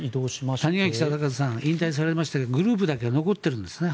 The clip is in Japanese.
谷垣禎一さん引退されましたがグループだけは残ってるんですね。